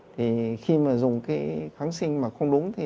thì khi mà dùng cái kháng sinh mà không đúng thì